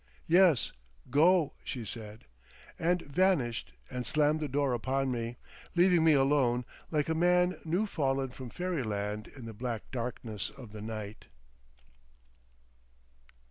"Yes, Go!" she said, and vanished and slammed the door upon me, leaving me alone like a man new fallen from fairyland in the black darkness of the night.